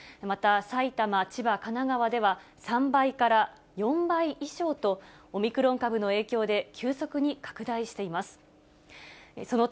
また埼玉、千葉、神奈川では、３倍から４倍以上と、オミクロン株の影響で、急速に拡大しています。